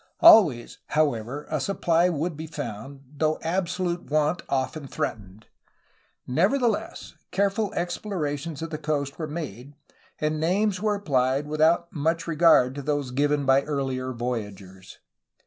^' Always, however, a supply would be found, though absolute want often threatened. Nevertheless, careful explorations of the coast were made, and names were appHed without much regard to those given by earher voyagers.